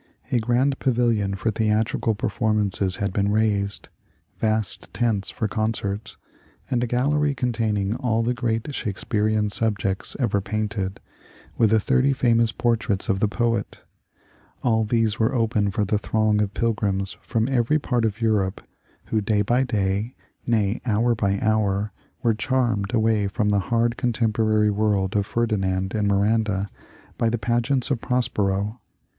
A grand pavilion for theatrical performances had been raised, vast tents for concerts, and a gallery containing all the great Shakespearian subjects ever painted, with the thirty famous portraits of the poet, — all these were open for the throng of pilgrims from every part of Europe who day by day, nay hour by hour, were charmed away from the hard contempo rary world as Ferdinand and Miranda by the pageants of Prospero.